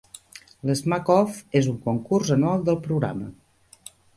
L'Smack-Off és un concurs anual del programa.